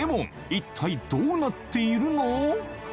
一体どうなっているの？